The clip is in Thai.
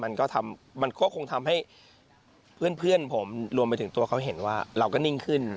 มันก็ทำมันก็คงทำให้เพื่อนผมรวมไปถึงตัวเขาเห็นว่าเราก็นิ่งขึ้น